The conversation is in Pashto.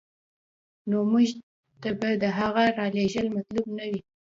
نو موږ ته به د هغه رالېږل مطلوب نه وي.